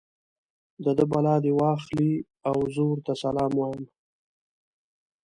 د ده بلا دې واخلي او زه ورته سلام وایم.